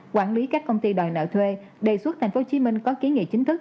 xử lý các công ty đòi nợ thuê đề xuất tp hcm có kiến nghị chính thức